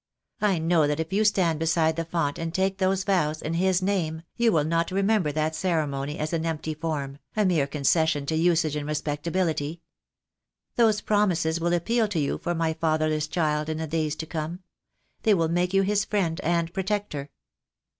I know that if you stand beside the font and take those vows in His name you will not remember that ceremony as an empty form, a mere concession to usage and respectability. Those promises will appeal to you for my fatherless child in the days to come. They will make you his friend and protector."